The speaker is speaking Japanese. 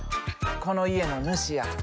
この家の主や。